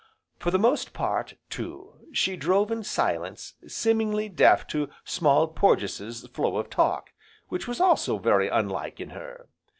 For the most part, too, she drove in silence seemingly deaf to Small Porges' flow of talk, which was also very unlike in her.